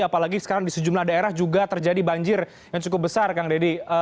apalagi sekarang di sejumlah daerah juga terjadi banjir yang cukup besar kang deddy